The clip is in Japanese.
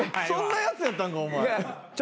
そんなやつやったんかお前。